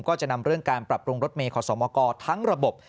ก็จะนำเรื่องการปรับปรุงรถเมย์ขอสมกรทั้งระบบ